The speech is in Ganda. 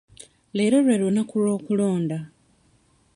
Leero lwe lunaku lw'okulonda.